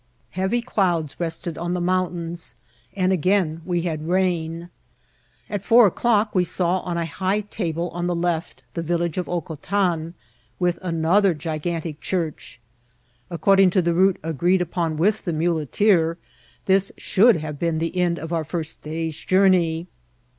Heavy clouds rested on the mountains, and again we had rain. At four o'clock we saw on a high table on the left the village of Hocotan, with another gigantic church. According to the route agreed upon with the muleteer, this should have been the end of our first day's journey.